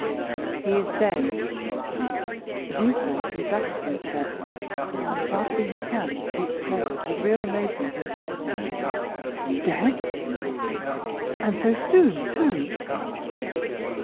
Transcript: "He is dead." Villefort drew back a few steps, and, clasping his hands, exclaimed, with real amazement and sympathy, "Dead?—and so soon too!"